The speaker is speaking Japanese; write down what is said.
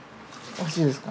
おいしいですか？